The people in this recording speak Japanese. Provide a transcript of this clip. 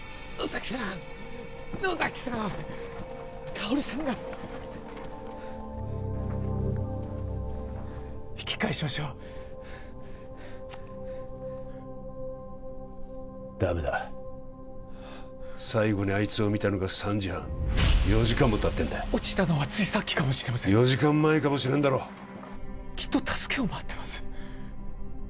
薫さんが引き返しましょうダメだ最後にあいつを見たのが３時半４時間もたってんだ落ちたのはついさっきかもしれません４時間前かもしれんだろきっと助けを待ってます